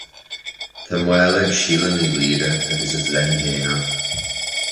Tá mála ag Síle Ní Laoire, agus is léi féin é